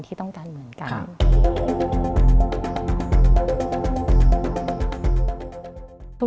ที่ต้องการเหมือนกัน